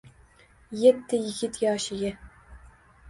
Yetdi yigit yoshiga.